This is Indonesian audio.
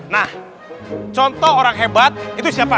nah contoh orang hebat itu siapa